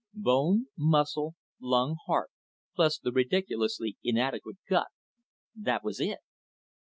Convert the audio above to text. Bone, muscle, lung, heart plus the ridiculously inadequate gut that was it.